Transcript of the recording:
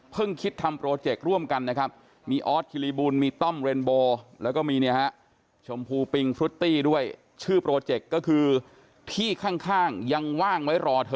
เพิ่งคิดทำโปรแจสร้วมกันนะครับ